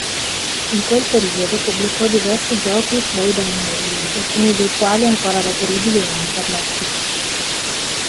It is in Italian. In quel periodo, pubblicò diversi giochi "play-by-mail", alcuni dei quali ancora reperibili in internet.